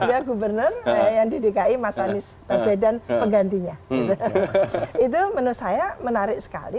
itu menurut saya menarik sekali